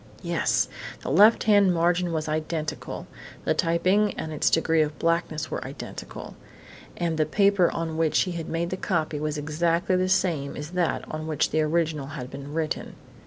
Yes! The left hand margin was identical, the typing and its degree of blackness were identical, and the paper on which he had made the copy was exactly the same as that on which the original had been written.